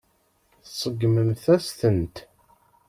Tseggmemt-as-tent.